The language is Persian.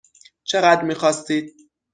چقدر میخواستید؟